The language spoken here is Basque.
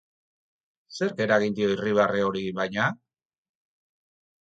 Zerk eragin dio irribarre hori, baina?